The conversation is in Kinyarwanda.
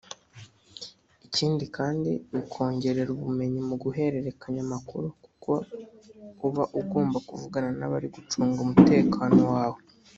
Ikindi kandi bikongerera ubumenyi mu guhererekanya amakuru kuko uba ugomba kuvugana n’abari gucunga umutekano wawe